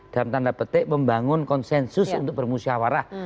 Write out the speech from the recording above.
dalam tanda petik membangun konsensus untuk bermusyawarah